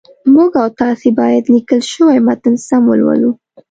موږ او تاسي باید لیکل شوی متن سم ولولو